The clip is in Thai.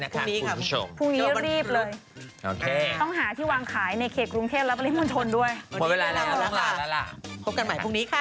คือดีเยอะกว่า